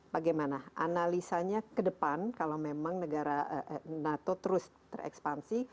bagaimana analisanya ke depan kalau memang negara nato terus terekspansi